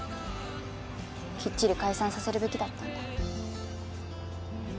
きっちり解散させるべきだったんだ。